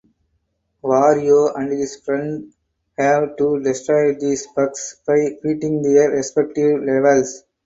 Wario and his friends have to destroy these bugs by beating their respective levels.